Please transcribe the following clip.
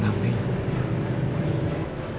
tapi ibu gak mau